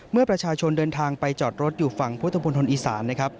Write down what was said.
เมื่อประชาชนเดินทางไปจอดรถอยู่ฝั่งพุทธมนตร์อีสานนะครับ